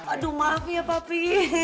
aduh maaf ya papi